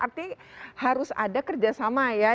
artinya harus ada kerjasama ya